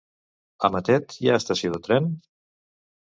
A Matet hi ha estació de tren?